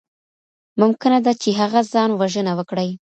ممکنه ده چي هغه ځان وژنه وکړي.